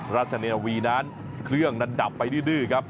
ราชเนียวีนั้นเครื่องนั้นดับไปดื้อครับ